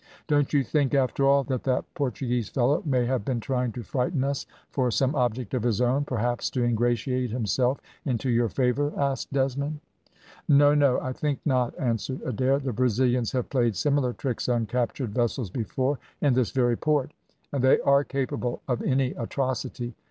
"Don't you think after all that that Portuguese fellow may have been trying to frighten us for some object of his own, perhaps to ingratiate himself into your favour?" asked Desmond. "No! no, I think not," answered Adair, "the Brazilians have played similar tricks on captured vessels before, in this very port, and they are capable of any atrocity.